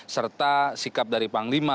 serta sikap dari panglima